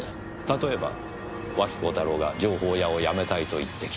例えば脇幸太郎が情報屋を辞めたいと言ってきた。